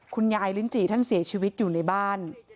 คุณยายลิ้นจี่ท่านเสียชีวิตอยู่ในบ้าน